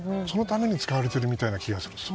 そのために使われているみたいな気がして。